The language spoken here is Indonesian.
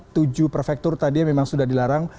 tujuh prefektur tadi yang memang sudah dilarang